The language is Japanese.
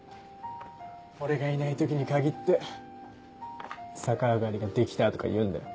俺がいない時に限って逆上がりができたとか言うんだよ。